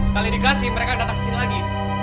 sekali dikasih mereka datang ke sini lagi